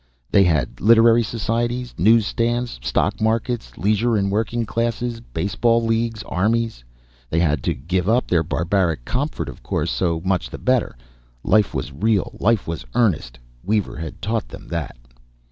They had literary societies, newsstands, stock markets, leisure and working classes, baseball leagues, armies.... They had had to give up their barbaric comfort, of course; so much the better. Life was real, life was earnest Weaver had taught them that.